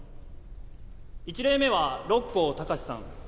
１例目は六甲貴史さん